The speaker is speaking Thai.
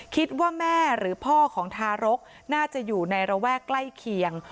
คิดว่าแม่หรือพ่อของทารกน่าจะอยู่ในระแวกใกล้เคียง